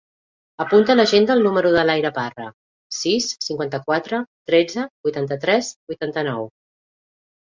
Apunta a l'agenda el número de l'Arya Parra: sis, cinquanta-quatre, tretze, vuitanta-tres, vuitanta-nou.